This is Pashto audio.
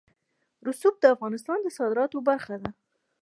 رسوب د افغانستان د صادراتو برخه ده.